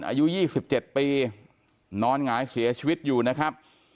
อายุ๒๗ปีนอนหงายเสียชีวิตอยู่นะครับ